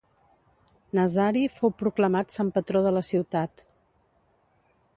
Nazari fou proclamat sant patró de la ciutat.